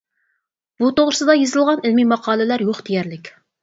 بۇ توغرىسىدا يېزىلغان ئىلمىي ماقالىلەر يوق دېيەرلىك.